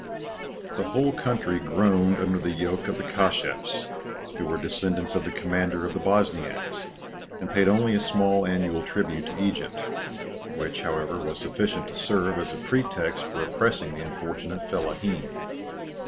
The whole country groaned under the yoke of the Kashefs, who were descendants of the commander of the Bosniacs, and paid only a small annual tribute to Egypt, which, however, was sufficient to serve as a pretext for oppressing the unfortunate fellaheen.